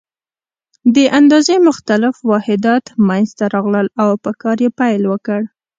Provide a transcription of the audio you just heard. د اندازې مختلف واحدات منځته راغلل او په کار یې پیل وکړ.